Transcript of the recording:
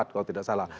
kalau tidak salah